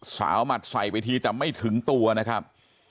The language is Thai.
หมัดใส่ไปทีแต่ไม่ถึงตัวนะครับ